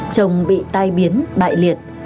chồng bị tai biến bại liệt